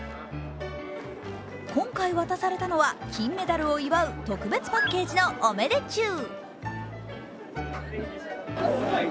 今回、渡されたのは金メダルを祝う特別パッケージのオメデチュウ。